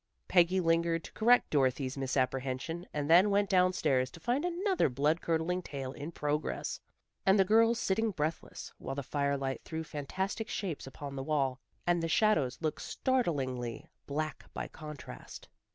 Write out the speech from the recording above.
Peggy lingered to correct Dorothy's misapprehension, and then went down stairs, to find another blood curdling tale in progress, and the girls sitting breathless, while the firelight threw fantastic shapes upon the wall, and the shadows looked startlingly black by contrast.